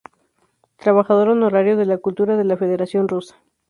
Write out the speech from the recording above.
Trabajador honorario de la cultura de la Federación Rusa.